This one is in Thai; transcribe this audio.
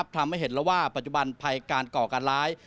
ทำให้เห็นแล้วว่าปัจจุบันภัยการก่อการร้าย